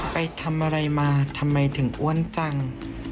ไปทำอะไรมาทำไมถึงอ้วนจัง